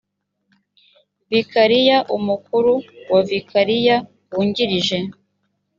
vikariya umukuru wa vikariya wungirije